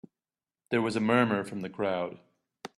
There was a murmur from the crowd.